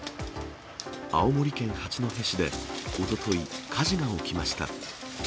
青森県八戸市でおととい、火事が起きました。